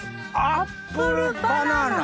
アップルバナナ。